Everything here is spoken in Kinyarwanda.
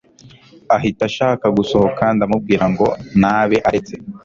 ahita ashaka gusohoka ndamubwira ngo nabe aretse